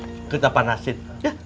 bukan di dunia langsung